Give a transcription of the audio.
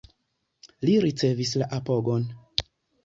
Li ricevis la apogon.